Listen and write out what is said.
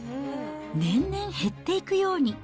年々減っていくように。